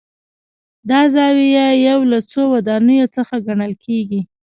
دا زاویه یو له څو ودانیو څخه ګڼل کېږي.